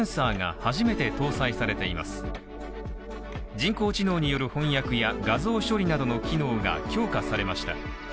人工知能による翻訳や画像処理などの機能が強化されました。